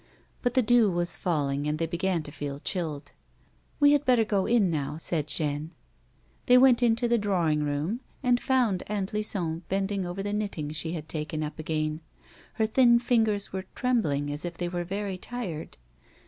But the dew was falling, and they began to feel chilled ; "We had better go in now," said Jeanne. They went into the drawing room, and found Aunt Lison bending over the knitting she had taken up again ; her thin fingers were trembling as if they were very tired.